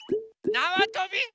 なわとび？